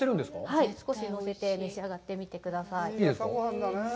はい、少しのせて召し上がってみてください。